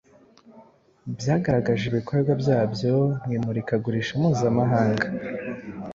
byagaragaje ibikorwa byabyo mu imurikagurisha mpuzamahanga